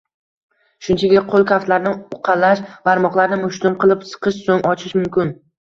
shunchaki qo‘l kaftlarini uqalash, barmoqlarni mushtum qilib siqish, so‘ng ochish mumkin.